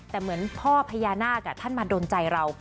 แต่เหมือนพ่อพญานาคท่านมาโดนใจเรา